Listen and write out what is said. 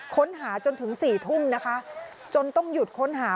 ค้นหาจนถึง๔ทุ่มนะคะจนต้องหยุดค้นหา